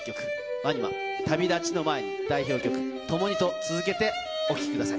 ＷＡＮＩＭＡ、旅立ちの前に、代表曲、共にと続けてお聴きください。